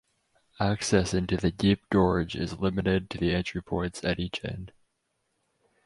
Access into the deep gorge is limited to the entry points at each end.